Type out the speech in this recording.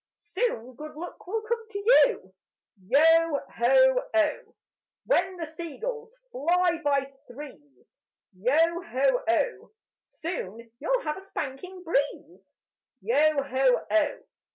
Soon good luck will come to you: Yo ho oh! When the sea gulls fly by threes, Yo ho oh! Soon you'll have a spanking breeze: Yo ho oh!